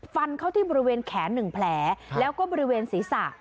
ฟันเข้าที่บริเวณแขน๑แผลแล้วก็บริเวณศีรษะ